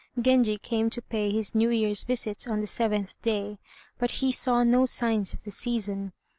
Genji came to pay his New Year's visit on the seventh day, but he saw no signs of the season.